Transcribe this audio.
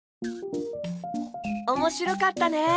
おもしろかったね！